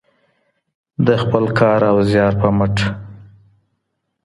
د خپل کار او زیار په مټ.